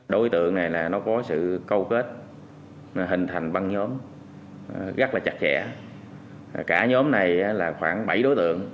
đối tượng này là nó có sự câu kết nó hình thành băng nhóm rất là chặt chẽ cả nhóm này là khoảng bảy đối tượng